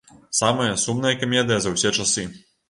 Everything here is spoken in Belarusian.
Самая сумная камедыя за ўсе часы!